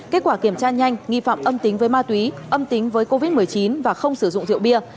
kết quả kiểm tra nhanh nghi phạm âm tính với ma túy âm tính với covid một mươi chín và không sử dụng rượu bia